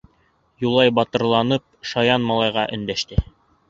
Юлай, батырланып, шаян малайға өндәште: